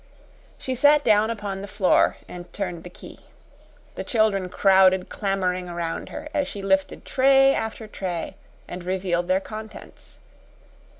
She sat down upon the floor and turned the key. The children crowded clamoring around her, as she lifted tray after tray and revealed their contents.